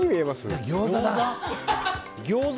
ギョーザ？